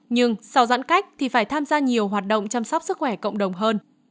nhưng sau giãn cách thì phải tham gia nhiều hoạt động chăm sóc sức khỏe cộng đồng hơn